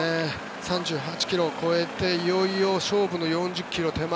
３８ｋｍを超えていよいよ勝負の４０ｋｍ手前。